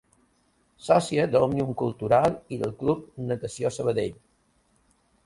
Sòcia d'Òmnium Cultural i del Club Natació Sabadell.